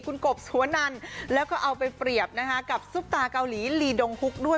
คุณกบสุวนันแล้วก็เอาไปเปรียบนะคะกับซุปตาเกาหลีลีดงฮุกด้วย